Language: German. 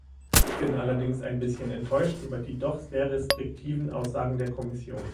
Ich bin allerdings ein bisschen enttäuscht über die doch sehr restriktiven Aussagen der Kommission.